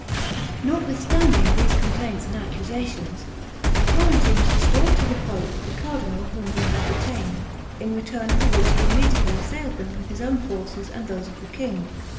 Notwithstanding these complaints and accusations, the Florentines restored to the pope the cardinal whom they had detained, in return for which he immediately assailed them with his own forces and those of the king.